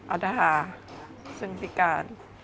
อัฐาซึ่งพิการ